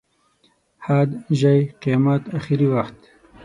حد، ژۍ، قیامت، اخري وخت.